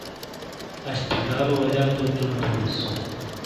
اَش پھَٹالو وَلِیا تو چُونو تھونیس۔